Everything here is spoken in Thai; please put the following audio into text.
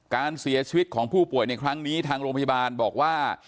การเสียชีวิตของผู้ป่วยในครั้งนี้ทางโรงพยาบาลบอกว่า